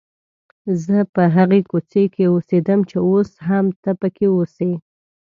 زه په هغې کوڅې کې اوسېدم چې اوس هم ته پکې اوسې.